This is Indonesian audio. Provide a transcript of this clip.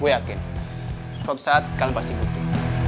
gue yakin suatu saat kalian pasti butuh